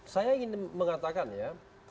saya ingin mengatakan ya